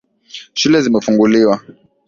Shule zimefunguliwa